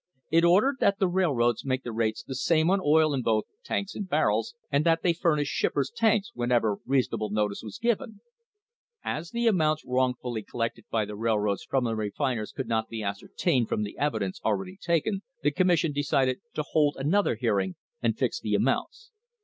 It ordered that the railroads make the rates the same on oil in both tanks and barrels, and that they furnish shippers tanks whenever reasonable notice was given. As the amounts THE HISTORY OF THE STANDARD OIL COMPANY wrongfully collected by the railroads from the refiners could not be ascertained from the evidence already taken, the Com mission decided to hold another hearing and fix the amounts.